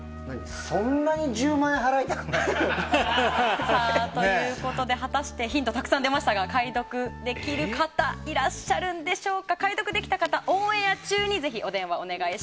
そんなに１０万円払いたくない？ということで果たしてヒントたくさん出ましたが解読できる方いらっしゃるんでしょうか。